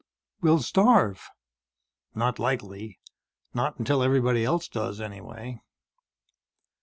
"We'll starve." "Not likely. Not until everybody else does, anyway."